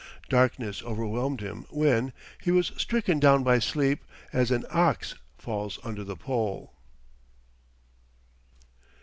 Darkness overwhelmed him then: he was stricken down by sleep as an ox falls under the pole.